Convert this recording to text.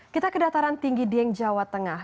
kita ke dataran tinggi dieng jawa tengah